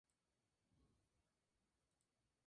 En Madrid trabajó en la nunciatura.